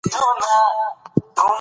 د هر نظام بقا په عدالت او انصاف کې ده.